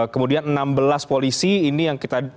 kemudian enam belas polisi ini yang kita